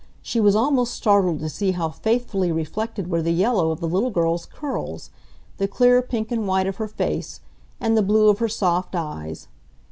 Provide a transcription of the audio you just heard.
She was almost startled to see how faithfully reflected were the yellow of the little girl's curls, the clear pink and white of her face, and the blue of her soft eyes.